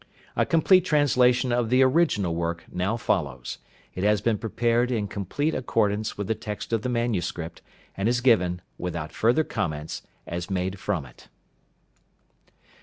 A complete translation of the original work now follows. It has been prepared in complete accordance with the text of the manuscript, and is given, without further comments, as made from it.